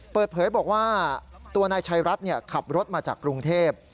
เปิดเผยบอกว่าตัวนายชัยรัฐขับรถมาจากกรุงเทพ